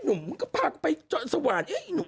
นุมก็ภาไปสว่าน